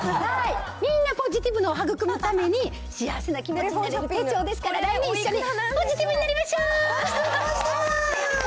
みんなポジティブ脳を育むために、幸せな気持ちになれる手帳ですからぜひ一緒にポジティブになりましょう。